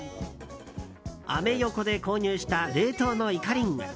アメ横で購入した冷凍のイカリング。